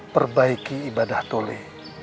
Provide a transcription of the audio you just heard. perbaiki ibadah tuhli